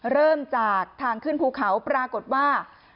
เริ่มจากทางขึ้นภูเขาปรากฏว่า